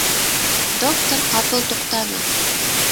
Доктор ҡапыл туҡтаны.